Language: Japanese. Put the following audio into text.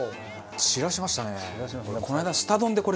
散らしましたね。